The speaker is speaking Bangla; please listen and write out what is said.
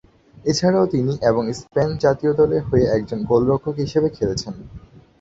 এছাড়াও তিনি এবং স্পেন জাতীয় দলের হয়ে একজন গোলরক্ষক হিসেবে খেলেছেন।